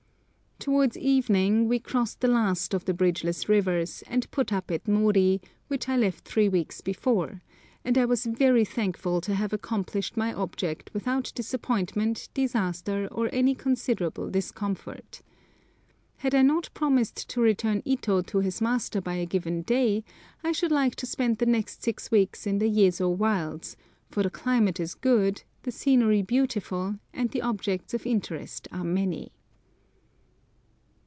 Towards evening we crossed the last of the bridgeless rivers, and put up at Mori, which I left three weeks before, and I was very thankful to have accomplished my object without disappointment, disaster, or any considerable discomfort. Had I not promised to return Ito to his master by a given day, I should like to spend the next six weeks in the Yezo wilds, for the climate is good, the scenery beautiful, and the objects of interest are many.